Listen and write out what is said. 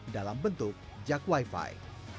dalam bentuk jak wifi